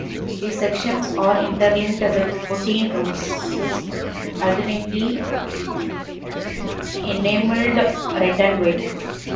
The sections are interlinked with fourteen roses, alternately enameled red and white.